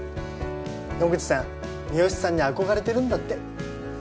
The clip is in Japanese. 野口さん三好さんに憧れてるんだって。